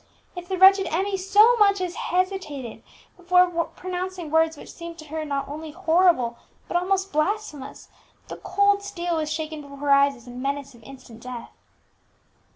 If the wretched Emmie so much as hesitated before pronouncing words which seemed to her not only horrible but almost blasphemous, the cold steel was shaken before her eyes, as a menace of instant death.